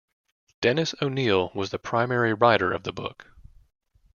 Dennis O'Neil was the primary writer of the book.